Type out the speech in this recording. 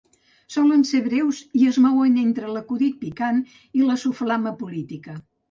Solen ser breus i es mouen entre l'acudit picant i la soflama política.